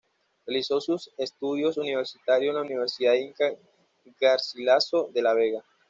Realizó sus estudio universitario en la Universidad Inca Garcilaso de la Vega.